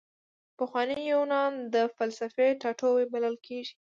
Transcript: پخوانی یونان د فلسفې ټاټوبی بلل کیږي.